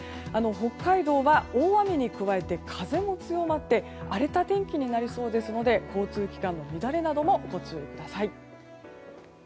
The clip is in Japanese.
北海道は、大雨に加えて風も強まって荒れた天気になりそうですので交通機関などの乱れなどもご注意ください。